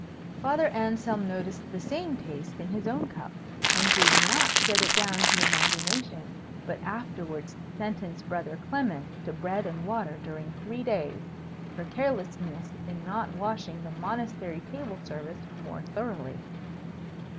Father Anselm noticed the same taste in his own cup, and did not set it down to imagination, but afterwards sentenced Brother Clement to bread and water during three days, for carelessness in not washing the Monastery table service more thoroughly.